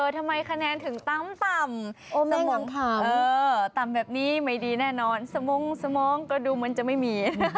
ตามแบบนี้ไม่ดีแน่นอนสมงสมองก็ดูมันจะไม่มี